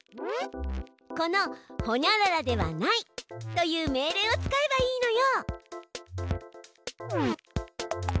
この「ホニャララではない」という命令を使えばいいのよ！